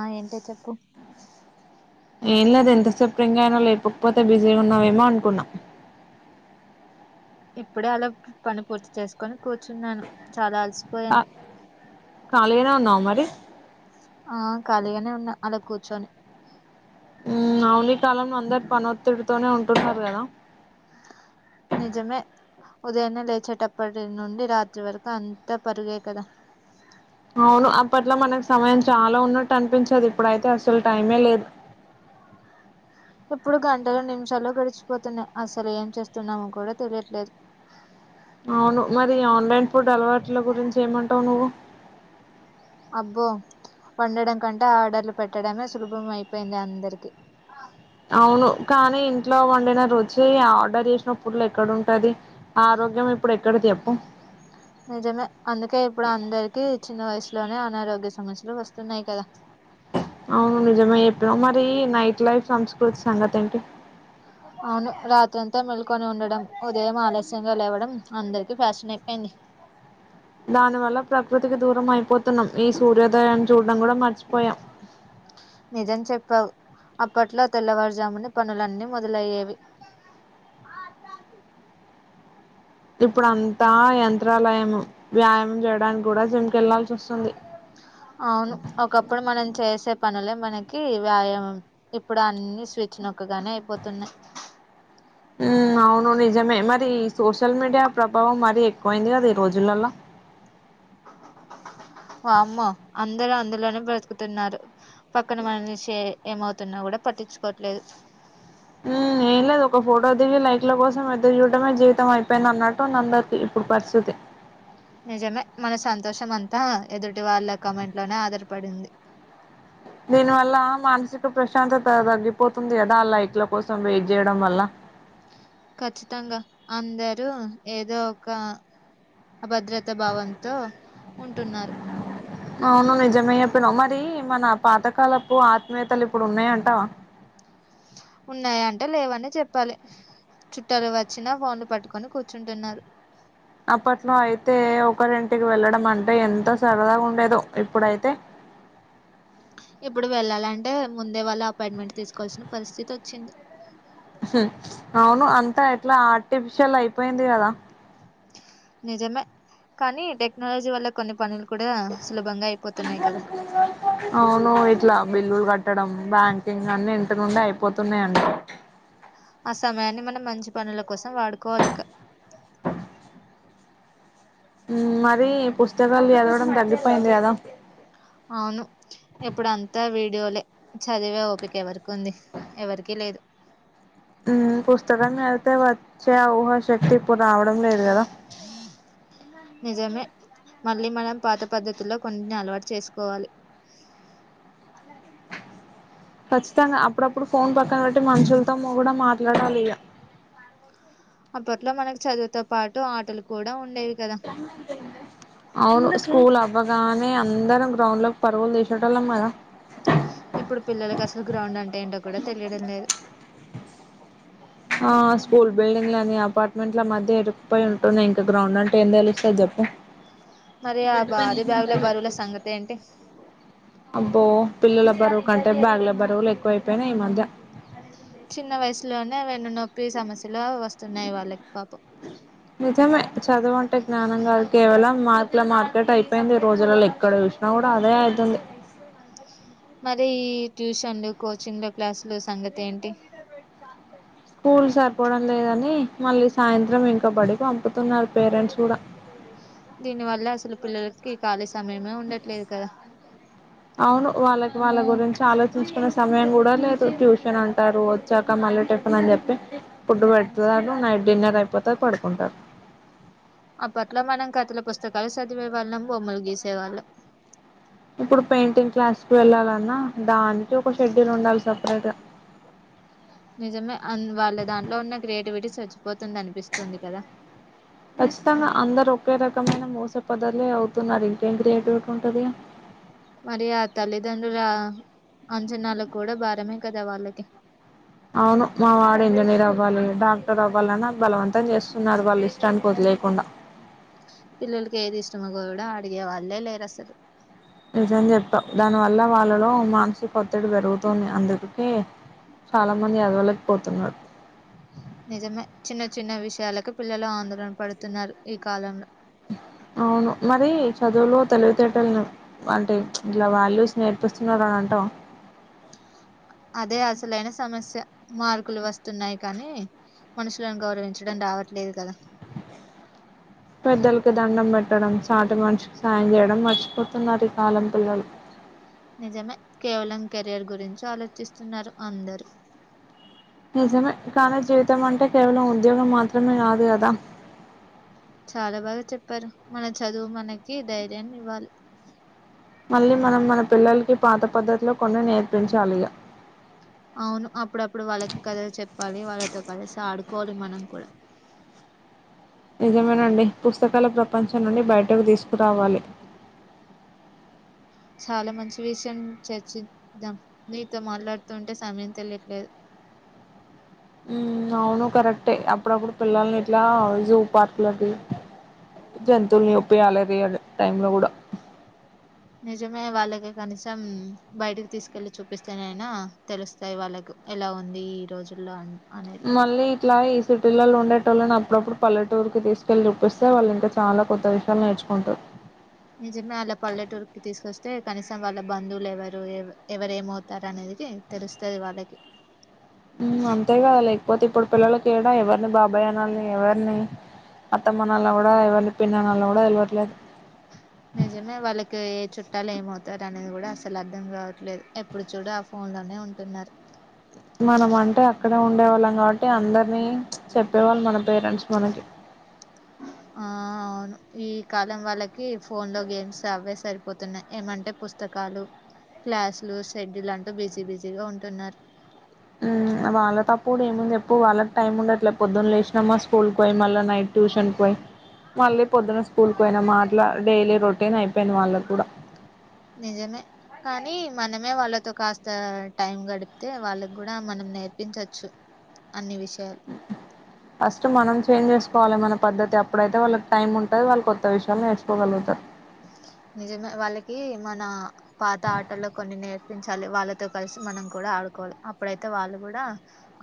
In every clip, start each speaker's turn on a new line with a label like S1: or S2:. S1: ఆ ఏంటె చెప్పు
S2: ఏం లేదు ఎంత శుభ్రంగా అయినా లేపకపోతే బిజీ ఉన్నావేమో అనుకున్నాం
S1: ఇప్పుడే అలా పని పూర్తి చేసుకొని కూర్చున్నాను చాలా అ
S2: కళీనా ఉన్నావ మరి
S1: ఆ ఖాళీగానే ఉన్నా అలా కూర్చొని
S2: మావలి కాలంలో అందరు పనొత్తుడితోనే ఉంటున్నారు కదా
S1: నిజమే ఉదయన్నే లేచేటప్పటి నుండి రాత్రి వరకు అంతా పరుగాయి కదా
S2: అవును అప్పట్లో మనకు సమయం చాలా ఉన్నట్టు అనిపించదు ఇప్పుడైతే అసలు టైమే లేదు
S1: ఇప్పుడు గంటలు నిమిషాల్లో గడిచిపోతున్నాయి అసలు ఏం చేస్తున్నామో కూడా తెలియట్లేదు
S2: అవును మరి ఆన్‌లైన్ ఇప్పుడు అలవాట్ల గురించి ఏమంటావు నువు
S1: అబ్బో వండడం కంటే ఆర్డర్లు పెట్టడమే సులభం అయిపోయింది అందరికి
S2: అవును కానీ ఇంట్లో వండిన రుచ్చి ఆర్డర్ చేసినప్పుడ్లు ఎక్కడ ఉంటది ఆరోగ్యం ఇప్పుడు ఎక్కడికి చెప్పు
S1: నిజమే అందుకే ఇప్పుడు అందరికి చిన్న వయసు లోనే అనారోగ్య సమస్యలు వస్తున్నాయి కదా
S2: అవును నిజమే చెప్పినావ్ మరి నైట్ లైఫ్ సంస్కృతి సంగతి ఏంటి
S1: అవును రాత్రి అంతా మేల్కొని ఉండడం ఉదయం ఆలస్యంగా లేవడం అందరికి ఫ్యాషన్ అయిపోయింది
S2: దాని వల్ల ప్రకృతికి దూరం అయిపోతు న్నాం ఈ సూర్యోదయం చూడ్డం కూడా మర్చిపోయాం
S1: నిజం అప్పట్లో తెల్లవారుజామున పనులన్నీ మొదలయ్యేవి
S2: ఇప్పుడు అంతా యంత్రాలయం వ్యాయామం చేయడానికి కూడా జిమ్ కెళ్లా
S1: అవును ఒకప్పుడు మనం చేసే పనులే మనకి వ్యాయామం ఇప్పుడు అన్ని స్విచ్ నొక్కగానే అయిపోతున్నాయి
S2: ఉమ్. అవును నిజమే మరి ఈ సోషల్ మీడియా ప్రభావం మరీ ఎక్కువైంది కదా ఈ రోజులలో
S1: వామ్మో అందరూ అందులోనే బ్రతుకుతున్నారు పక్కన మనిషి ఏమవుతున్నా కూడా పట్టించుకోట్లేదు
S2: ఉమ్ ఏం లేదు ఒక ఫోటో దిగి లైక్ల కోసం ఎదురు చూడటమే జీవితం అయిపోయింది అన్నట్టుంది అందరికి ఇప్పుడు పరిస్థితి
S1: నిజమే మన సంతోషం అంతా ఎదుటి వాళ్ళ కామెంట్ లోనే ఆధారపడింది.
S2: దీని వల్ల మానసిక ప్రశాంతత తగ్గిపోతుంది కదా ఆ లైక్ల కోసం వెయిట్ చేయడం వల్ల.
S1: ఖచ్చితంగా అందరూ ఏదో ఒక అభద్రతా భావంతో ఉంటున్నారు.
S2: అవును నిజమే చెప్పినావ్ మరి మన పాతకాలపు ఆత్మీయతలు ఇప్పుడు ఉన్నాయంటావా
S1: ఉన్నాయంటే లేవనే చెప్పాలి చుట్టాలు వచ్చినా ఫోన్లు పట్టుకొని కూర్చుంటున్నారు.
S2: అప్పట్లో అయితే ఒకరింటికి వెళ్ళడం అంటే ఎంత సరదాగా ఉండేదో ఇప్పుడైతే
S1: ఇప్పుడు వెళ్లాలంటే ముందే వాళ్ళ అపాయింట్మెంట్ తీసుకోవాల్సిన పరిస్థితి వచ్చింది
S2: ఊహుం అవును అంతా ఎట్లా ఆర్టిఫిషియల్ అయిపోయింది కదా
S1: నిజమే కానీ టెక్నాలజీ వల్ల కొన్ని పనులు కూడా సులభంగా అయిపోతున్నాయి కదా
S2: అవును ఇట్లా బిల్లులు కట్ పెట్టడం బ్యాంకింగ్ అన్ని ఇంటి నుండే అయిపోతున్నాయండి
S1: ఆ సమయాన్ని మనం మంచి పనుల కోసం వాడుకోవాలిక
S2: మరి పుస్తకాలు చదవడం తగ్గిపోయింది కదా
S1: అవును ఇప్పుడు అంతా వీడియోలే చదివే ఓపిక ఎవరికి ఉంది ఎవరికి లేదు
S2: ఉమ్ పుస్తకం చదివితే వచ్చే ఆ ఊహాశక్తి ఇప్పుడు రావడం లేదు కదా
S1: నిజమే మళ్ళీ మనం పాత పద్ధతుల్లో కొన్ని అలవాటు చేసుకోవాలి
S2: ఖచ్చితంగా అప్పుడప్పుడు ఫోన్ పక్కన పెట్టి మనుషులతో కూడా మాట్లాడాలి ఇక
S1: అప్పట్లో మనకు చదువుతో పాటు ఆటలు కూడా ఉండేవి కదా
S2: అవును స్కూల్ అవ్వగానే అందరం గ్రౌండ్ లోకి పరుగులు తీసేటోళ్ళమ్ కదా
S1: ఇప్పుడు పిల్లలకి అసలు గ్రౌండ్ అంటే ఏంటో కూడా తెలియడం లేదు
S2: స్కూల్ బిల్డింగులు అన్నీ అపార్ట్‌మెంట్ల మధ్య ఇరుక్కుపోయి ఉంటున్నాయి, గ్రౌండ్ అంట ఏం తెలుస్తది చెప్పు
S1: మరి ఆ భారీ బ్యాగుల బరువుల సంగతి ఏంటి
S2: అబ్బో పిల్లల బరువు కంటే బ్యాగులే బరువులు ఎక్కువ అయిపోయినాయి ఈ మధ్య
S1: చిన్న వయసులోనే వెన్నునొప్పి సమస్యలు వస్తున్నాయి వాళ్ళకి పాపం
S2: నిజమే చదువు అంటే జ్ఞానం కాదు కేవలం మార్కుల మార్కెట్ అయిపోయింది రోజులలో ఎక్కడ చూసినా కూడా అదే అయితుంది
S1: మరి ఈ ట్యూషన్లు కోచింగ్లు క్లాసులు సంగతేంటి
S2: స్కూల్ సరిపోవడం లేదని మళ్ళీ సాయంత్రం ఇంకా బడికి పంపి
S1: దీనివల్ల అసలు పిల్లల కి ఖాళీ సమయమే ఉండట్లేదు కదా
S2: అవును వాళ్ళకి వాళ్ళ గురించి ఆలోచించుకునే సమయం కూడా లేదు ట్యూషన్ అంటారు వచ్చాక మళ్ళీ టిఫిన్ అని చెప్పి ఫుడ్డుపెడుతారు నైట్ డిన్నర్ అయిపోతది పడుకుంటారు
S1: అప్పట్లా మనం కథల పుస్తకాలు చదివేవాళ్ళం బొమ్మలు గీసే వాళ్ళం
S2: ఇప్పుడు పెయింటింగ్ క్లాస్‌కి వెళ్ళాలన్నా దానికి ఒక షెడ్యూల్ ఉండాలి సపరేట్‌గా
S1: నిజమే అన్ వాళ్ళ దాంట్లో ఉన్న క్రియేటివిటీ చచ్చిపోతుంది అనిపిస్తుంది కదా
S2: ఖచ్చితంగా అందరు ఒకే రకమైన మూసపదాలే అవు తున్నారు ఇంకేం క్రియేటివిటీ ఉంటది
S1: మరి ఆ తల్లిదండ్రుల అంచనాలు కూడా భారమే కదా వాళ్ళకి
S2: అవును మావాడు ఇంజనీర్ అవ్వాలి డాక్టర్ అవ్వాలని వాళ్ళు బలవంత తం చేస్తున్నారు వాళ్ళ ఇష్టానికి వదిలేయకుండా
S1: ష్టం గూడా అడిగే వాళ్ళే లేరు అసలు
S2: నిజం చెప్పావ్ దానివల్ల వాళ్ళలో మానసిక ఒత్తిడి పెరుగుతుంది అందరికీ చాలా మంది ఎదగలేకపోతున్నారు
S1: నిజమే చిన్న చిన్న విషయాలకు పిల్లలు ఆందోళన పడుతున్నారు ఈ కాలంలో
S2: అవును మరి చదువులో తెలువితేటలని అంటే ఇలా వాల్యూస్ నేర్పిస్తున్నరా అని అంటాం
S1: అదే అసలైన సమస్య మార్కులు వస్తున్నాయి కానీ మనుషులను గౌరవించడం రావట్లేదు కదా
S2: పెద్దలకు దండం పెట్టడం సాటి మనిషికి సాయం చేయడం మర్చిపోతున్నారు ఈ కాలం పిల్లలు
S1: నిజమే కేవలం కెరియర్ గురించి ఆలోచిస్తున్నారు అందరూ
S2: నిజమే కానీ జీవితం అంటే కేవలం ఉద్యోగం మాత్రమే కాదు కదా
S1: చాలా బాగా చెప్పారు మన చదువు మనకి ధైర్యాన్ని ఇవ్వాలి
S2: మళ్ళీ మనం మన పిల్లలకి పాత పద్ధతిలో కొన్ని నేర్పించాలి ఇగ
S1: అవును అప్పుడప్పుడు వాళ్ళకి కథలు చెప్పాలి వాళ్ళతో కలిసి ఆడుకో కోవాలి మనం కూడా
S2: నిజమేనండి పుస్తకాల ప్రపంచం నుండి బయటకు తీసుకురావాలి
S1: చాలా మంచి విషయం చర్చిద్దాం నీతో మాట్లాడుతూ ఉంటే సమయం తెలియట్లేదు
S2: హ్మ్ అవును కరెక్టే అప్పుడప్పుడు పిల్లల్ని ఇట్లా జూ పార్కులకి జంతువుల్ని చూపియాలే రియల్ టైంలో కూడా
S1: నిజమే వాళ్ళకి కనీసం బయటికి తీసుకెళ్లి చూపిస్తేనైనా తెలుస్తాయి వాళ్ళకు ఎలా ఉంది ఈ రోజుల్లో అని
S2: మళ్ళీ ఇట్లా ఈ సిటీలలో ఉండేటోళ్ళని అప్పుడప్పుడు పల్లెటూరుకిి తీసుకెళ్లి చూపిస్తే వాళ్ళు ఇంకా చాలా కొత్త విషయాలు నేర్చుకుంటారు.
S1: నిజమే వాళ పల్లెటూరుకిి తీసుకొస్తే కనీసం వాళ్ళ బంధువులు ఎవరు ఎవరు ఏమవుతారు అనేది తెలుస్తాది వాళ్ళకి
S2: హ్మ్ అంతే కదా లేక్ పోతే ఇప్పుడు పిల్లలకి ఎడా ఎవర్ని బాబాయ్ అనాలి ఎవర్ని అత్తమ్మ అనాలో కూడా ఎవర్ని పిన్ని అనాల్లో కూడా తెలువట్లేదు
S1: ట్టాలు ఏమవుతారు అనేది కూడా అసలు అర్థం కావట్లేదు ఎప్పుడు చూడు ఆ ఫోన్‌లోనే ఉంటున్నారు
S2: మనం అంటే అక్కడ ఉండేవాళ్ళం కాబట్టి అందరినీ చెప్పేవాళ్ళు మనం పేరెంట్స్ మనకి
S1: ఆ అవును ఈ కాలం వాళ్ళకి ఫోన్ లో గేమ్స్ అవే సరిపోతున్నాయి ఏమంటే పుస్తకాలు క్లాసులు షెడ్యూల్ అంటూ బిజీ బిజీగా ఉంటున్నారు.
S2: ఆ వాళ్ళ తప్పుడు ఏముంది చెప్పు వాళ్ళకి టైం ఉండ పొద్దున్న లేసినామా స్కూల్కి పోయి మళ్ల నైట్ ట్యూషన్ కి పోయి మళ్ళీ పొద్దున స్కూల్కి పోయినామా అట్లా డైలీ రొటీన్ అయిపోంది
S1: నిజమే కానీ మనమే వాళ్ళతో కాస్త టైం గడిపితే వాళ్ళకి కూడా మనం నేర్పించచ్చు అన్ని విష
S2: ఫస్ట్ మనం చేంజ్ చేసుకోవాలి మన పద్ధతి అప్పుడైతే వాళ్ళకి టైం ఉ టది వాళ్ళు కొత్త విషయాలు నేర్చుకోగలుగుతారు
S1: నిజమే వాళ్ళకి మన పాత ఆటల్లో కొన్ని నేర్పించాలి వాళ్ళతో కలిసి మనం కూడా ఆడుకోవాలి అప్పుడైతే వాళ్ళు కూడా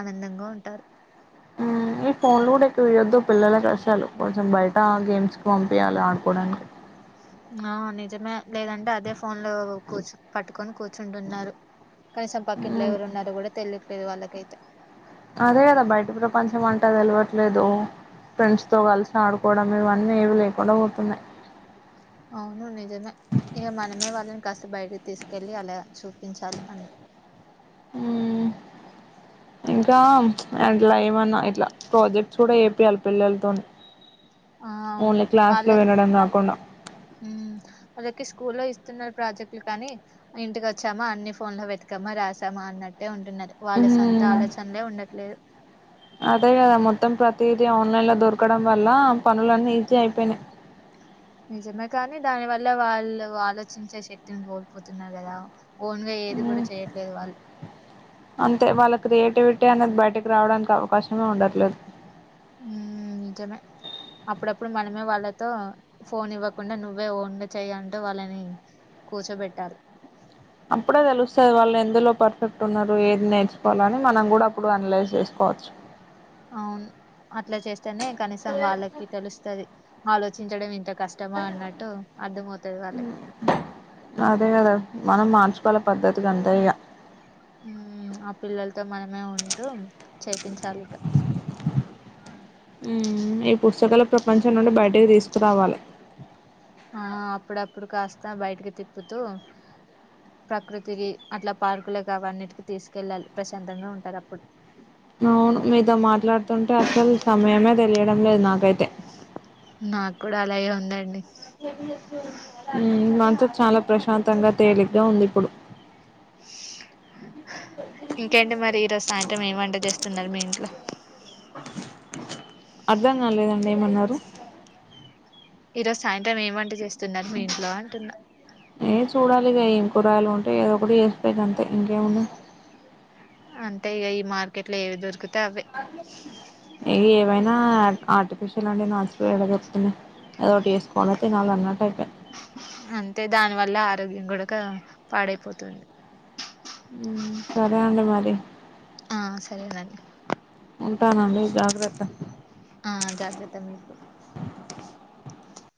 S1: ఆనందంగా ఉంటారు
S2: ఉ ఈ ఫోన్లు కూడా ఎక్కువ ఇయ్యద్దు పిల్లలకు అసలు కొంచెం బయట గేమ్స్ కి పంపయాలి ఆడుకోవడానికి
S1: ఆ నిజమే లేదంటే అదే ఫోన్ లో కూచ్ పట్టుకొని కూర్చుంటున్నారు కనీసం పక్కింట్లో ఎవరు ఉన్నారో కూడా తెలిద్ పెద్ద వాళ్ళకైతే
S2: అదే కదా బయట ప్రపంచం అంటే తెలవట్లేదు ఫ్రెండ్స్ తో కలిసి ఆడుకోవడం ఇవన్నీ ఏవి లేకుండా పోతున్నాయి
S1: అవును నిజమే ఇగ మనమే వాళ్ళ కాష్ బయటకి తీసుకెళ్ళలి అలా చూపించాలి అన్
S2: హు ఇంకా అట్లా ఏమన్నా ఇట్లా ప్రాజెక్ట్స్ కూడా చెపియాలి పిల్లలతోని
S1: ఆ అవును
S2: ఓన్లీ క్లాస్లో
S1: వాళ్ళే
S2: వినడం కాకుండా
S1: వాళ్ళకి స్కూ లో ఇస్తున్నారు ప్రాజెక్టులు కానీ ఇంటికి వచ్చామా అన్ని ఫోన్ లో పెతకమా రాసామా అన్నట్టే ఉన్ న్నారు వాళ్ళ సొంత ఆలోచనలే ఉండట్లేదు
S2: ప్రతిది ఆన్లైన్లో దొరకడం వల్ల పనులన్నీ ఈజీ అయిపోయినాయి
S1: నిజమే కానీ దాని వల్ల వాళ్ళు ఆలోచించే శక్తిని కోల్పోతున్నారు కదా ఓన్ గా ఏది కూడా చేయట్లేదు వాళ్ళు
S2: అంతే వాళ్ళ క్రియేటివిటీ అనేది బయటకి రావడానికి అవకాశమే ఉండట్లేదు.
S1: ఉ నిజమే అప్పుడప్పుడు మనమే వాళ్ళతో ఫోన్ ఇవ్వకుండా నువ్వే ఓన్గా చేయుంటు వాళ్ళని కూర్చోబెట్టాలి.
S2: అప్పుడే తెలుస్తుంది వాళ్ళు ఎందులో పర్ఫెక్ట్ ఉన్నారు ఏది నేర్చుకోవాలి అని మనం కూడా అప్పుడు అనలైజ్ చేసుకోవచ్చు.
S1: అవును అట్లా చేస్తేనే కనీసం వాళ్ళకి తెలుస్తది ఆలోచించడం ఇంట కష్టమా అన్నట్టు అర్థంమవుతది వాళ్ళకి
S2: వాళ్ళ పద్ధతి గంతే ఇగ
S1: ఉ ఆ పిల్లలతో మనమే ఉంటూ చేపించాలి ఇక
S2: ఉ ఈ పుస్తకాల ప్రపంచం నుండి బయటికి తీసుకురావాలి.
S1: ఆ అప్పుడప్పుడు కాస్త బయటికి తిప్పుతూ ప్రకృతికి అట్లా పార్కులు కా అవన్నిటికి తీసుకెళ్ళాలి ప్రశాంతంగా ఉంటారు అప్పుడు
S2: అవును మీతో మాట్లాడుతుంటే అసలు సమయమే తెలియడం లేదు నాకై తే
S1: నాకు కూడా అలాగే ఉందండి
S2: ఉమ్ మనసు చాలా ప్రశ ప్రశాంతంగా తేలిగ్గా ఉంది ఇప్పుడు
S1: ఇంకేంటి మరి ఈరోజు సాయంత్రం ఏం వంట చేస్తున్నారు మీ ఇంట్లో
S2: అర్ధం కాలేదండి ఏమన్నారు
S1: ఈ రోజు సాయంత్రం ఏం వంటా చేస్తున్నారు మీ ఇంట్లో అంటున్న
S2: ఏ చూడాలిగా ఇం కూరగాయలు ఉంటాయో ఏదో ఒకటి చేస్త పోంతే ఇంకేముంది
S1: అంతే ఇక ఈ మార్కెట్ లో ఏవి దొరుకు
S2: ఏవైనా ఆ ఆర్టిఫిషియల్ అండ్ నాచురల్ ఎ దొరుతుంది ఏదో ఒకటి వేసుకోవాలి తినాలి అన్నట్టు అయి
S1: అంటే దాని వల్ల ఆరోగ్యం కూడా పాడైపోతుంది
S2: ఉమ్ సరే అండి మరి
S1: ఆ సరేనండి
S2: ఉంటాను అండి ఇగ
S1: ఆ జాగ్రత్త మీరు కూడా